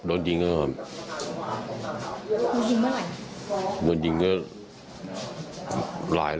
แล้วก็มันทั้งทุกข้อดัก